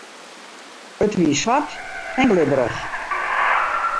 It wie swart en glibberich.